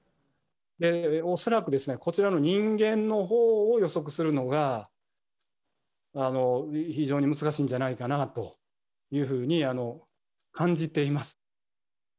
恐らく、こちらの人間のほうを予測するのが、非常に難しいんじゃないかなというふうに、感じています。